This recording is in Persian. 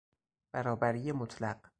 برابری مطلق